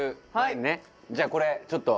じゃあこれちょっと。